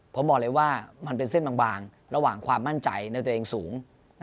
ผมบอกเลยว่ามันเป็นเส้นบางระหว่างความมั่นใจในตัวเองสูง